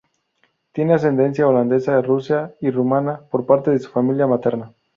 Tiene ascendencia holandesa, rusa y rumana, por parte de su familia materna.